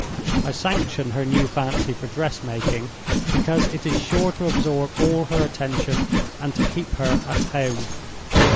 I sanction her new fancy for dressmaking, because it is sure to absorb all her attention, and to keep her at home.